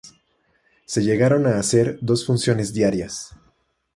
Se llegaron a hacer dos funciones diarias.